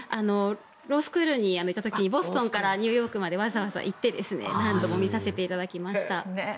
ロースクールにいた時にボストンからニューヨークまでわざわざ行って何度も見させていただきました。